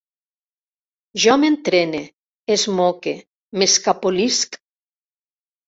Jo m'entrene, esmoque, m'escapolisc